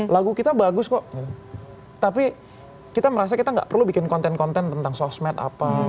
lagu kita bagus kok tapi kita merasa kita nggak perlu bikin konten konten tentang sosmed apa